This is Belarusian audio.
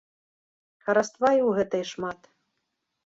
Хараства і ў гэтай шмат.